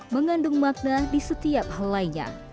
mengandung makna di setiap hal lainnya